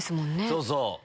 そうそう。